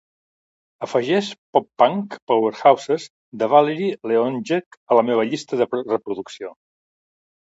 Afegeix Pop Punk Powerhouses de Valeri Leontjev a la meva llista de reproducció